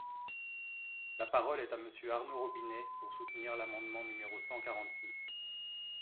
La parole est à Monsieur Arnaud Robinet, pour soutenir l’amendement numéro cent quarante-six.